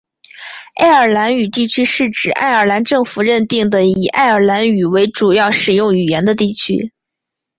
爱尔兰语地区是指爱尔兰政府认定的以爱尔兰语为主要使用语言的地区。